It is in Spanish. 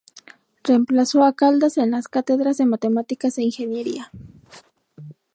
Reemplazó a Caldas en las cátedras de Matemáticas e Ingeniería.